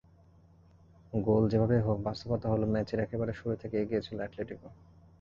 গোল যেভাবেই হোক, বাস্তবতা হলো ম্যাচের একেবারে শুরু থেকে এগিয়ে ছিল অ্যাটলেটিকো।